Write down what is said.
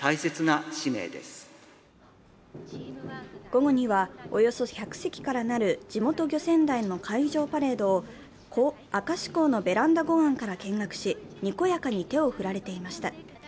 午後には、およそ１００隻から成る地元漁船団の海上パレードを明石港のベランダ護岸から見学し、にこやかに手を振られていました。